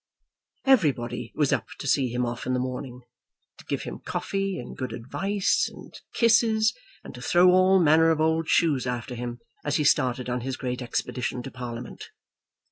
Everybody was up to see him off in the morning, to give him coffee and good advice, and kisses, and to throw all manner of old shoes after him as he started on his great expedition to Parliament.